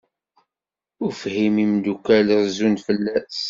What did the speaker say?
Ufhim, imeddukal rezzun fell-as.